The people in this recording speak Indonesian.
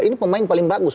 ini pemain paling bagus